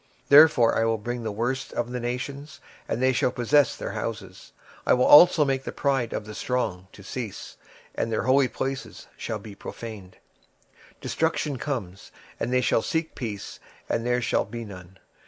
26:007:024 Wherefore I will bring the worst of the heathen, and they shall possess their houses: I will also make the pomp of the strong to cease; and their holy places shall be defiled. 26:007:025 Destruction cometh; and they shall seek peace, and there shall be none.